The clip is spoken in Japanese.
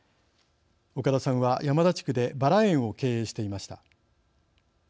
岡田さんは山田地区でバラ園を経営していました。